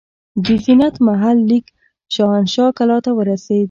د زینت محل لیک شاهنشاه کلا ته ورسېد.